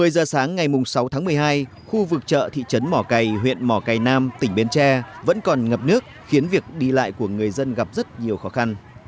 một mươi giờ sáng ngày sáu tháng một mươi hai khu vực chợ thị trấn mỏ cầy huyện mỏ cầy nam tỉnh bến tre vẫn còn ngập nước khiến việc đi lại của người dân gặp rất nhiều khó khăn